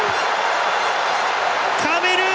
カメルーン